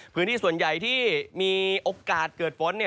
พื้นที่ส่วนใหญ่ที่มีโอกาสเกิดฝน